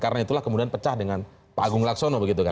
karena itulah kemudian pecah dengan pak agung laksono